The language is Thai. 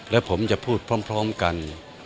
และผมจะพูดพร้อมกัน